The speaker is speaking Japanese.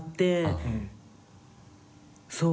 そう。